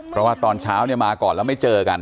เพราะว่าตอนเช้าเนี่ยมาก่อนแล้วไม่เจอกัน